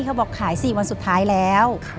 เขาบอกขาย๔วันสุดท้ายแล้ว